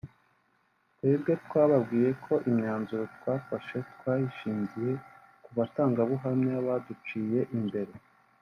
Twebwe twababwiye ko imyanzuro twafashe twayishingiye ku batangabuhamya baduciye imbere